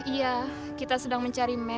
iya kita sedang mencari